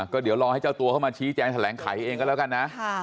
ก็เดี๋ยวรอให้เจ้าตัวเข้ามาชี้แจงแถลงไขเองก็แล้วกันนะ